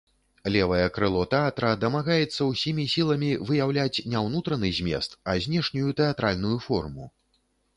Левае крыло тэатра дамагаецца ўсімі сіламі выяўляць не ўнутраны змест, а знешнюю тэатральную форму.